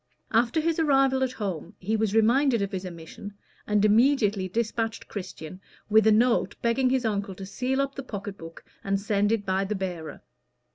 After his arrival at home he was reminded of his omission, and immediately dispatched Christian with a note begging his uncle to seal up the pocket book and send it by the bearer.